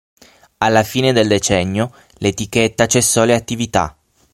Alla fine del decennio l'etichetta cessò le attività.